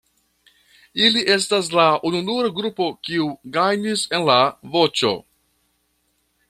Ili estas la ununura grupo kiu gajnis en La Voĉo.